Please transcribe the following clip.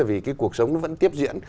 vì cuộc sống vẫn tiếp diễn